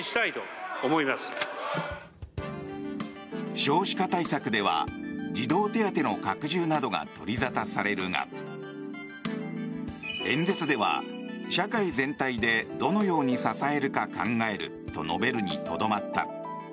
少子化対策では児童手当の拡充などが取り沙汰されるが演説では、社会全体でどのように支えるか考えると述べるにとどまった。